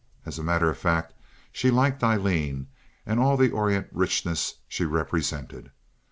As a matter of fact, she liked Aileen and all the Orient richness she represented.